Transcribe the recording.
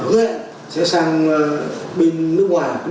hứa sẽ sang bên nước ngoài